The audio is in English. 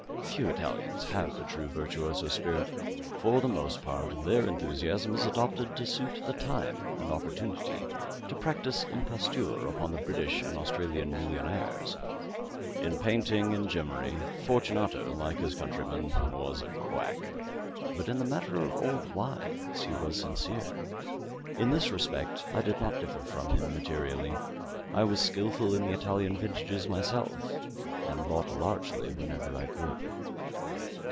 Few Italians have the true virtuoso spirit. For the most part their enthusiasm is adopted to suit the time and opportunity to practise imposture upon the British and Austrian millionaires. In painting and gemmary, Fortunato, like his countrymen, was a quack but in the matter of old wines he was sincere. In this respect I did not differ from him materially: I was skillful in the Italian vintages myself, and bought largely whenever I could.